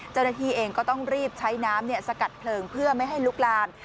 เจ้าหน้าที่เองก็ต้องรีบใช้น้ำสกัดเพลิงเพื่อไม่ให้ลุกลาม